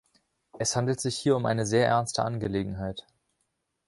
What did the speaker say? Es handelt sich hier um eine sehr ernste Angelegenheit.